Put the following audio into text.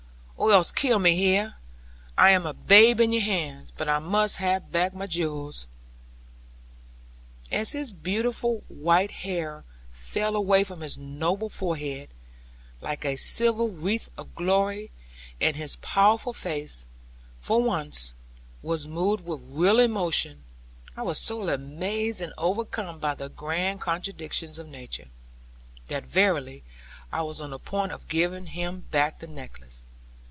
Or else kill me here; I am a babe in your hands; but I must have back my jewels.' As his beautiful white hair fell away from his noble forehead, like a silver wreath of glory, and his powerful face, for once, was moved with real emotion, I was so amazed and overcome by the grand contradictions of nature, that verily I was on the point of giving him back the necklace.